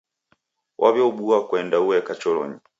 Waw'eobua kuenda ueka choronyi.